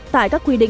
tại các quy định